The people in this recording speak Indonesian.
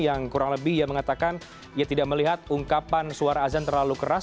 yang kurang lebih ia mengatakan ia tidak melihat ungkapan suara azan terlalu keras